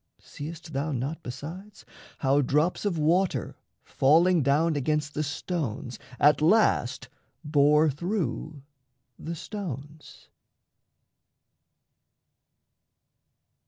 Seest thou not, Besides, how drops of water falling down Against the stones at last bore through the stones?